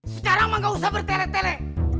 sekarang mah gak usah bertele tele